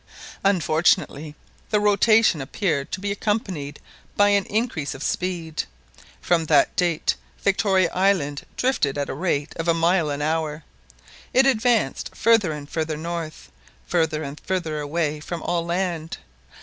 Unfortunately the rotation appeared to be accompanied by an increase of speed. From that date Victoria Island drifted at the rate of a mile an hour. It advanced farther and farther north, farther and farther away from all land.